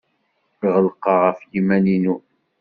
Ɣelqeɣ ɣef yiman-inu.